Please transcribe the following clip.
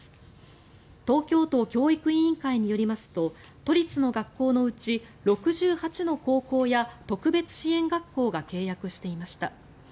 東京都教育委員会によりますと都立の学校のうち６８の高校や特別支援学校が契約していました。